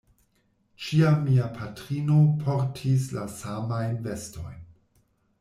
Ĉiam mia patrino portis la samajn vestojn.